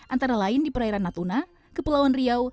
antara lain di perairan natuna kepulauan riau